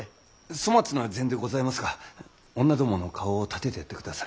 粗末な膳でございますが女どもの顔を立ててやってくだされ。